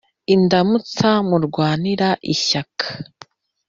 Indamutsa murwanira ishyaka